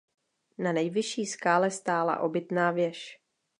Na nejvyšší skále stála obytná věž.